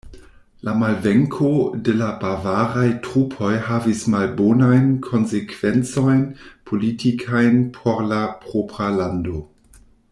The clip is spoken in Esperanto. La malvenko de la bavaraj trupoj havis malbonajn konsekvencojn politikajn por la propra lando.